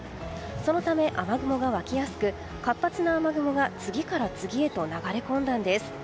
そのため、雨雲が湧きやすく活発な雨雲が次から次へと流れ込んだんです。